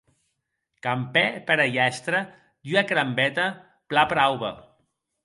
Campè pera hièstra d'ua crambeta plan prauba.